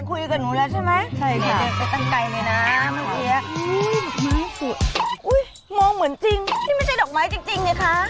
อุ๊ยมองเหมือนจริงนี่ไม่ใช่ดอกไม้จริงนี่คะ